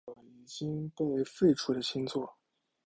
安提诺座是一个已经被废除的星座。